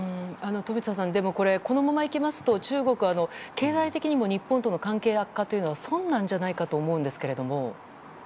でもこれこのままいきますと中国は経済的にも日本との関係悪化というのは損なんじゃないかと思うんですが。